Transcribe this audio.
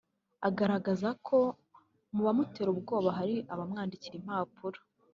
Agaragaza ko mu bamutera ubwoba hari abamwandikira impapuro